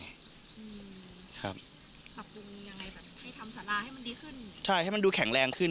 อืมครับปรับปรุงยังไงแบบให้ทำสาราให้มันดีขึ้นใช่ให้มันดูแข็งแรงขึ้น